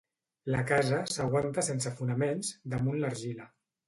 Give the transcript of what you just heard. La casa s'aguanta sense fonaments, damunt d'argila.